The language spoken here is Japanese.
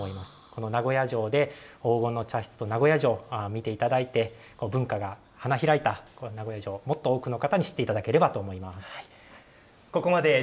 この名護屋城で黄金の茶室と名護屋城、見ていただいて、文化が花開いた名護屋城をもっと多くの方に知っていただければと思います。